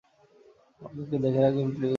ওকে একটু দেখে রাখবেন প্লিজ।